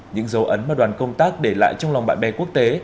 những dấu ấn mà đoàn công tác để lại trong lòng bạn bè quốc tế